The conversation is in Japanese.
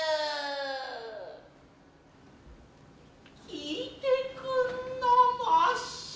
聞いてくんなまし。